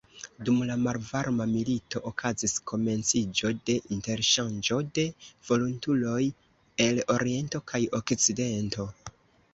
Dum la Malvarma Milito okazis komenciĝo de interŝanĝo de volontuloj el oriento kaj okcidento.